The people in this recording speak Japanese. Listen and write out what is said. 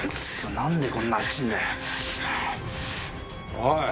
おい！